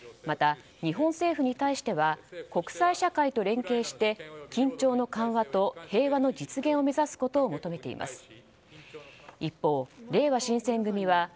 また、日本政府に対しては国際社会と連携して緊張の緩和と平和の実現を目指すことを求めています。